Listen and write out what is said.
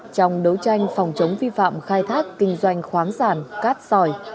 trong đấu tranh phòng chống vi phạm khai thác kinh doanh khoáng sản cát sỏi